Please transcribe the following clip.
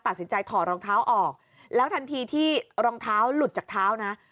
ถอดรองเท้าออกแล้วทันทีที่รองเท้าหลุดจากเท้านะ